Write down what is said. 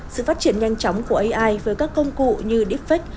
sự phát triển nhanh chóng của ai với các công cụ như defect